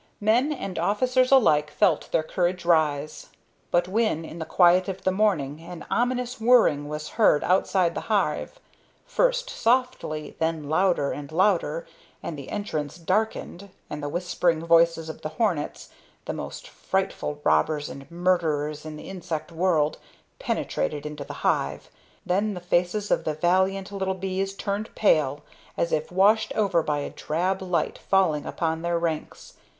Men and officers alike felt their courage rise. But when in the quiet of the morning an ominous whirring was heard outside the hive, first softly, then louder and louder, and the entrance darkened, and the whispering voices of the hornets, the most frightful robbers and murderers in the insect world, penetrated into the hive, then the faces of the valiant little bees turned pale as if washed over by a drab light falling upon their ranks.